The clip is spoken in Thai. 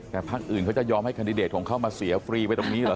แต่พักอื่นเขาจะยอมให้แคนดิเดตของเขามาเสียฟรีไปตรงนี้เหรอ